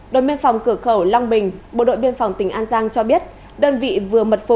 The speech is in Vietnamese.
đồn biên phòng cửa khẩu long bình bộ đội biên phòng tỉnh an giang cho biết đơn vị vừa mật phục